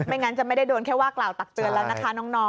งั้นจะไม่ได้โดนแค่ว่ากล่าวตักเตือนแล้วนะคะน้อง